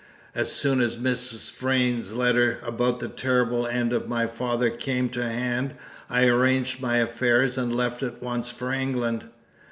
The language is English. As soon as Mrs. Vrain's letter about the terrible end of my father came to hand I arranged my affairs and left at once for England.